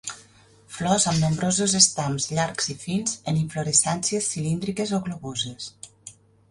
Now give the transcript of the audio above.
Flors amb nombrosos estams llargs i fins, en inflorescències cilíndriques o globoses.